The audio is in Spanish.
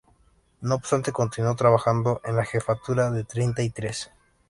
No obstante continuó trabajando en la jefatura de Treinta y Tres.